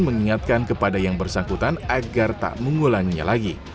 mengingatkan kepada yang bersangkutan agar tak mengulanginya lagi